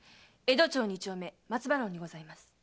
江戸町二丁目「松葉廊」にございます。